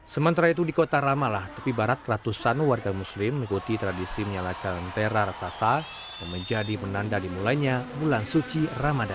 sementara itu di kota ramalah tepi barat ratusan warga muslim mengikuti tradisi menyalakan tera raksasa yang menjadi penanda dimulainya bulan suci ramadan